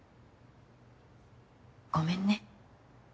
ごめんね。